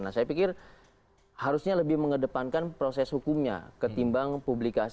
nah saya pikir harusnya lebih mengedepankan proses hukumnya ketimbang publikasi yang seharusnya menjadi ranahnya media masa